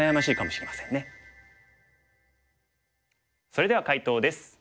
それでは解答です。